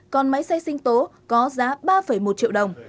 còn máy xay sinh tố có giá ba một triệu đồng